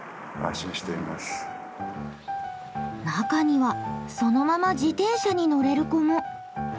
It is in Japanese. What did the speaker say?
中にはそのまま自転車に乗れる子も。